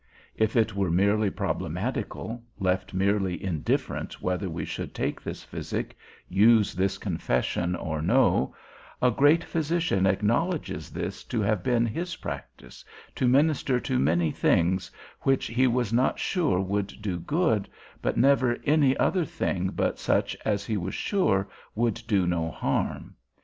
If it were merely problematical, left merely indifferent whether we should take this physic, use this confession, or no, a great physician acknowledges this to have been his practice, to minister to many things which he was not sure would do good, but never any other thing but such as he was sure would do no harm.